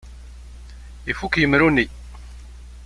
Ifukk yemru-nni.